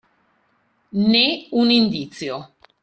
Nè un indizio